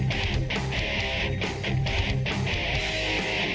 คนนี้มาจากอำเภออูทองจังหวัดสุภัณฑ์บุรีนะครับ